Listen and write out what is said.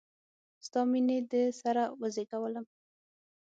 ستا میینې د سره وزیږولم